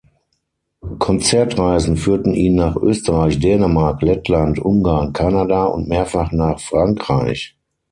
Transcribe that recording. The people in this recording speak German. Konzertreisen führten ihn nach Österreich, Dänemark, Lettland, Ungarn, Kanada und mehrfach nach Frankreich.